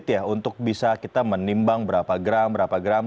nah kan sulit ya untuk bisa kita menimbang berapa gram berapa gram